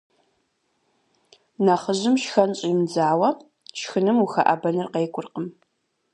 Нэхъыжьым шхэн щӏимыдзауэ шхыным ухэӏэбэныр къеукӏуркъым.